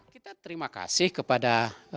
kita terima kasih kepada